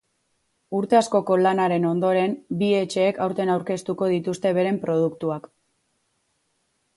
Urte askoko lanaren ondoren, bi etxeek aurten aurkeztuko dituzte beren produktuak.